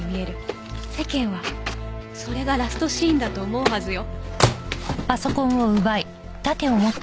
世間はそれがラストシーンだと思うはずよ。